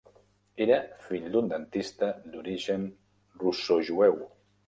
Era fill d'un dentista d'origen russojueu.